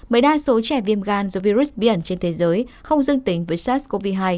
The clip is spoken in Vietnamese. bởi đa số trẻ viêm gan do virus biển trên thế giới không dương tính với sars cov hai